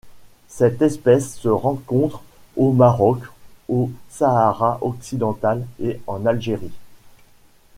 Cette espèce se rencontre au Maroc, au Sahara occidental et en Algérie.